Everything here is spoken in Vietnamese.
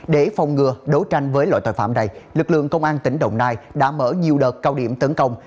để phòng ngừa đấu tranh với loại tội phạm này lực lượng công an tỉnh đồng nai đã mở nhiều đợt cao điểm tấn công